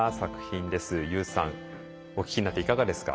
ＹＯＵさんお聞きになっていかがですか？